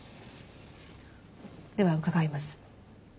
では伺います。